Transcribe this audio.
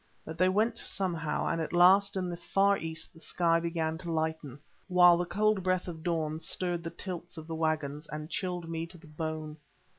But they went somehow, and at last in the far east the sky began to lighten, while the cold breath of dawn stirred the tilts of the waggons and chilled me to the bone.